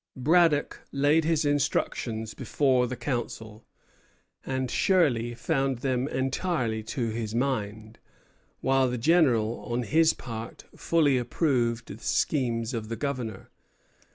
Braddock, laid his instructions before the Council, and Shirley found them entirely to his mind; while the General, on his part, fully approved the schemes of the Governor.